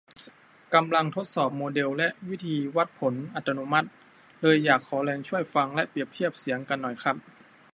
กำลังทดสอบโมเดลและวิธีวัดผลอัตโนมัติ เลยอยากขอแรงช่วยฟังและเปรียบเทียบเสียงกันหน่อยครับ